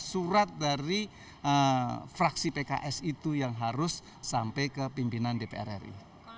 surat dari fraksi pks itu yang harus sampai ke pimpinan dpr ri